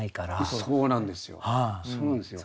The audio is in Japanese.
そうなんですよ。